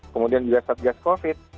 kemudian juga set gas covid